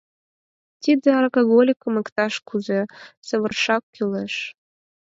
«Тиде аракаголикым иктаж-кузе савырашак кӱлеш.